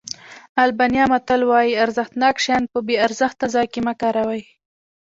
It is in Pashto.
آلبانیا متل وایي ارزښتناک شیان په بې ارزښته ځای کې مه کاروئ.